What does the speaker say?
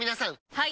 はい！